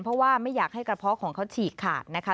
เพราะว่าไม่อยากให้กระเพาะของเขาฉีกขาดนะคะ